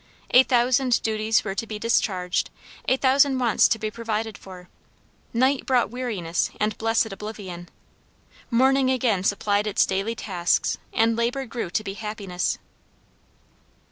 A thousand duties were to be discharged: a thousand wants to be provided for: night brought weariness and blessed oblivion: morning again supplied its daily tasks and labor grew to be happiness.